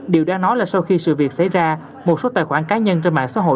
điều đang nói là sau khi sự việc xảy ra một số tài khoản cá nhân trên mạng xã hội